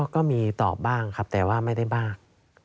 ก็มีตอบบ้างครับแต่ว่าไม่ได้บ้าง